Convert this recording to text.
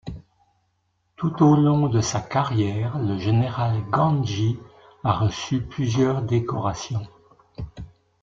Tout au long de sa carrière, le Général Kandji a reçu plusieurs décorations.